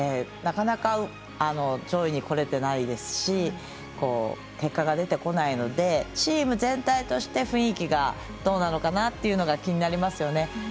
なかなか上位に来れていないですし結果が出てこないのでチーム全体として雰囲気がどうなのかなというのが気になりますよね。